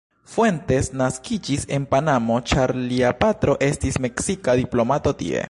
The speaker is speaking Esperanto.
Fuentes naskiĝis en Panamo ĉar lia patro estis meksika diplomato tie.